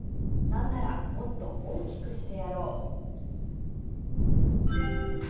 なんならもっと大きくしてやろう。